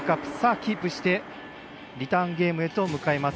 キープしてリターンゲームへと向かいます。